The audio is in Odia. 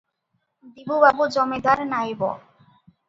ଦିବୁ ବାବୁ ଜମିଦାର ନାଏବ ।